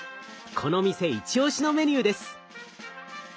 この店一押しのメニューです。